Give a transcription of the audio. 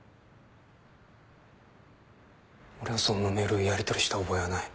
俺はそんなメールをやりとりした覚えはない。